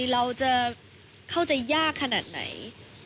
เราจะเข้าใจยากขนาดไหน